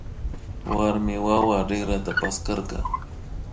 Warmi wawa shikrata paskarka